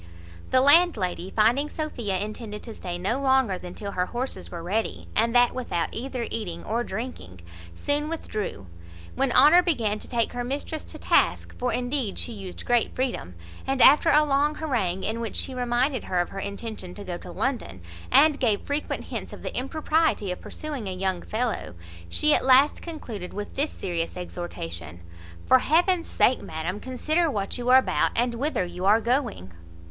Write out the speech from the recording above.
The landlady finding Sophia intended to stay no longer than till her horses were ready, and that without either eating or drinking, soon withdrew; when Honour began to take her mistress to task (for indeed she used great freedom), and after a long harangue, in which she reminded her of her intention to go to London, and gave frequent hints of the impropriety of pursuing a young fellow, she at last concluded with this serious exhortation: "For heaven's sake, madam, consider what you are about, and whither you are going."